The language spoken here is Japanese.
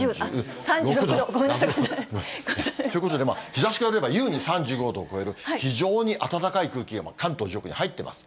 ３６度、ごめんなさい。ということで日ざしが出ればゆうに３５度を超える、非常に暖かい空気が関東上空に入ってます。